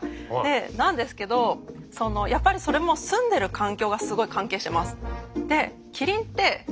なんですけどやっぱりそれも住んでる環境がすごい関係してます。